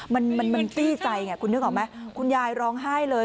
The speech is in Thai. มันมันตี้ใจไงคุณนึกออกไหมคุณยายร้องไห้เลย